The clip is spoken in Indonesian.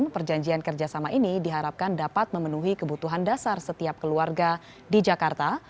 perjanjian kerjasama ini diharapkan dapat memenuhi kebutuhan dasar setiap keluarga di jakarta